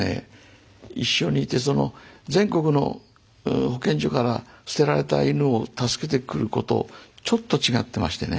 一緒にいて全国の保健所から捨てられた犬を助けてくる子とちょっと違ってましてね。